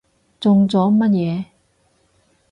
中咗乜嘢？